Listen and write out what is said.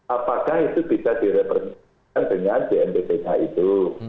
apakah itu bisa direpresentasikan dengan jmpbh itu